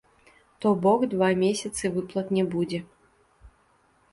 То бок два месяцы выплат не будзе.